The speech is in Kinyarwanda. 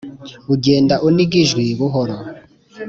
ugenda uniga ijwi buhoro.